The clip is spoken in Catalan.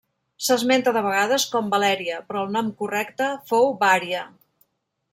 S'esmenta de vegades com Valèria, però el nom correcte fou Vària.